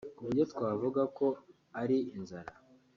ku buryo twavuga ko ari inzara